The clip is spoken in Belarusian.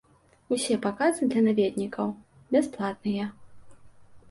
Усе паказы для наведнікаў бясплатныя.